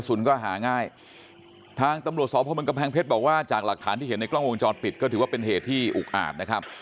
หาง่ายทางตำรวจสพเมืองกำแพงเพชรบอกว่าจากหลักฐานที่เห็นในกล้องวงจรปิดก็ถือว่าเป็นเหตุที่อุกอาจนะครับ